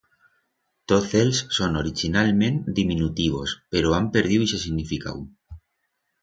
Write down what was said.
Toz éls son orichinalment diminutivos, pero han perdiu ixe significau.